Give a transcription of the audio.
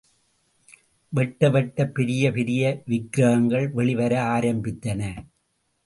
வெட்ட வெட்ட பெரிய பெரிய விக்ரகங்கள் வெளிவர ஆரம்பித்தன.